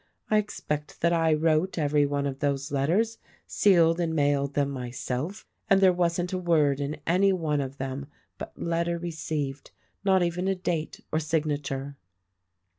I expect that I wrote every one of those letters, sealed and mailed them myself ; and there wasn't a word in any one of them but 'Letter received' — not even a date or signature."